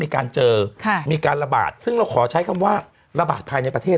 เจอค่ะมีการระบาดซึ่งเราขอใช้คำว่าระบาดภายในประเทศ